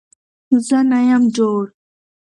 زه نه يم جوړ